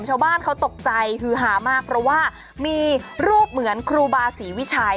ชาวบ้านเขาตกใจฮือฮามากเพราะว่ามีรูปเหมือนครูบาศรีวิชัย